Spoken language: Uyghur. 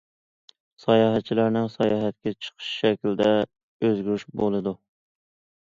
ساياھەتچىلەرنىڭ ساياھەتكە چىقىش شەكلىدە ئۆزگىرىش بولىدۇ.